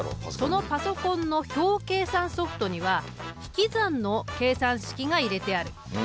そのパソコンの表計算ソフトには引き算の計算式が入れてある。